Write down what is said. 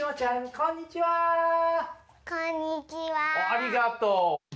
ありがとう。